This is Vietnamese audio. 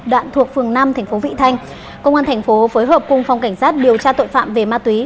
đoạn thuộc phường năm tp vị thanh công an tp phối hợp cùng phòng cảnh sát điều tra tội phạm về ma túy